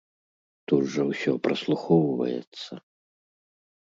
Тут жа ўсё праслухоўваецца!